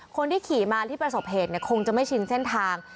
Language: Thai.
คนที่ขี่มาที่ประสบเหตุคงจะไม่ชินเส้นทาง